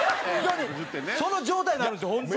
その状態になるんですよ本当。